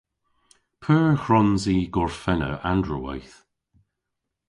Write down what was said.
P'eur hwrons i gorfenna androweyth?